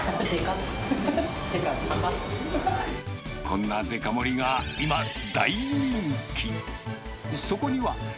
ってか、こんなデカ盛りが今、大人気。